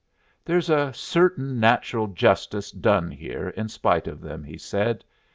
"There's a certain natural justice done here in spite of them," he said.